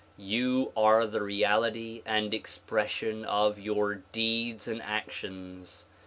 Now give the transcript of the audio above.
You are the reality and expression of your deeds and actions.